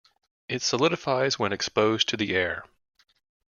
It solidifies when exposed to the air.